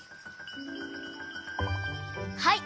はい。